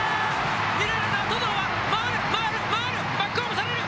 ２塁ランナーは回る、回る、バックホームされる。